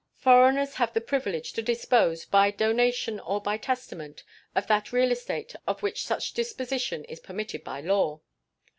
Foreigners have the privilege to dispose, by donation or by testament, of that real estate of which such disposition is permitted by law.